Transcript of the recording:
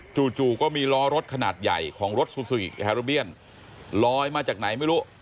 จู่ก็มีล้อรถขนาดใหญ่ของรถซูซูอิแฮโรเบียนลอยมาจากไหนไม่รู้